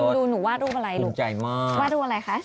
วาดรูปอะไรคะ